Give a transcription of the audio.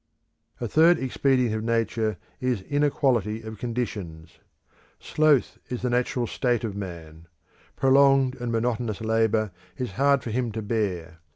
A third expedient of Nature is inequality of conditions. Sloth is the natural state of man; prolonged and monotonous labour is hard for him to bear.